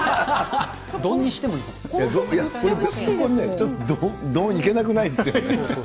ちょっと丼いけなくないですよ。